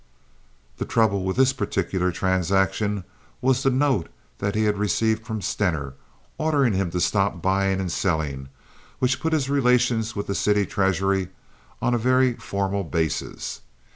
The trouble with this particular transaction was the note that he had received from Stener ordering him to stop both buying and selling, which put his relations with the city treasury on a very formal basis.